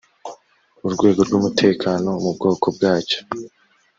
urwego rw’umutekano mu bwoko bwacyo